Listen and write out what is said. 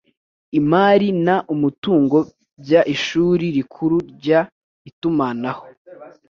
imari n umutungo by ishuri rikuru ry itumanaho